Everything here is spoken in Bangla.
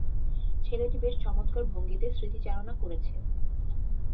ছেলেটি বেশ চমৎকার ভঙ্গিতে স্মৃতিচারণা করেছে।